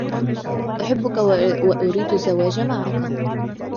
أحبك وأريد الزواج معك.